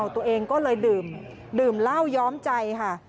ตัวเองก็เลยดื่มเหล้าย้อมใจค่ะ